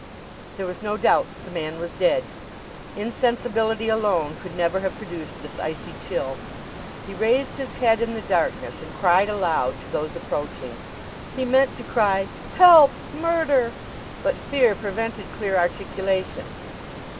There was no doubt that the man was dead. Insensibility alone could never have produced this icy chill. He raised his head in the darkness, and cried aloud to those approaching. He meant to cry: "Help! Murder!" But fear prevented clear articulation.